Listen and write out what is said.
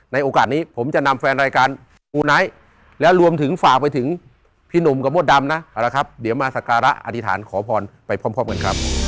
ในโอกาสนี้ผมจะนำแฟนรายการอู๋ไหน